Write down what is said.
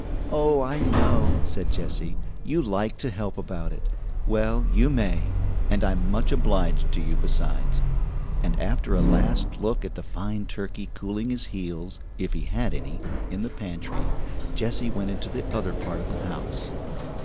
"Oh, I know!" said Jessie; "you like to help about it. Well, you may; and I'm much obliged to you, besides." And after a last look at the fine turkey cooling his heels (if he had any) in the pantry, Jessie went into the other part of the house.